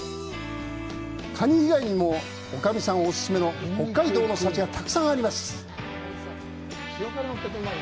カニ以外にもおかみさんお勧めの北海道の幸がたくさんあります。